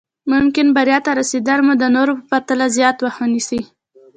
ممکن بريا ته رسېدل مو د نورو په پرتله زیات وخت ونيسي.